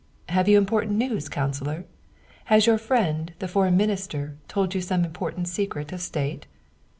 " Have you important news, councilor? Has your friend, the foreign minister, told you some important secret of state?"